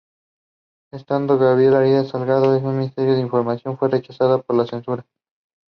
Her language is fluent and full of memorable imagery enlivened by touches of humor.